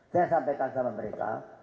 saya sampaikan sama mereka